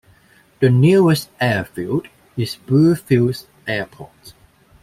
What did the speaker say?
The nearest airfield is Bluefields Airport.